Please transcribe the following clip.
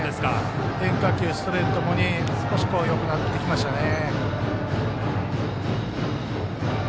変化球、ストレート共に少しよくなってきましたね。